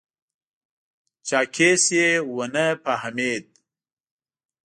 چاکېس یې و نه فهمېد.